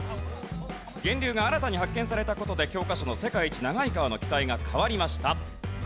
源流が新たに発見された事で教科書の世界一長い川の記載が変わりました。